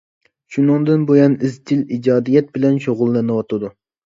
شۇنىڭدىن بۇيان ئىزچىل ئىجادىيەت بىلەن شۇغۇللىنىۋاتىدۇ.